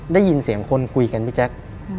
ได้ยินเสียงคนคุยกันพี่แจ๊ค